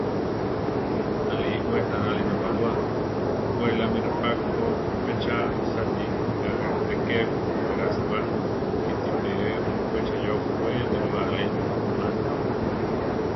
Aʼlí we taráli napabúa; we la mí reʼpá ko pe cha aʼwisáati ká reké wera sewá, kite pe weʼchayó we nirúe elá má.